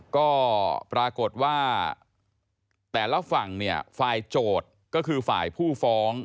ก็ปรากฏว่าแต่ละฝั่งเนี่ยฝ่ายโจทย์ก็คือฝ่ายผู้ฟ้อง